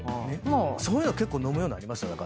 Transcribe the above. そういうの結構飲むようになりました？